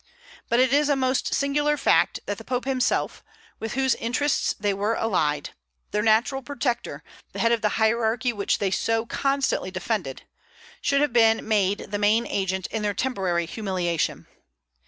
But it is a most singular fact that the Pope himself, with whose interests they were allied, their natural protector, the head of the hierarchy which they so constantly defended, should have been made the main agent in their temporary humiliation.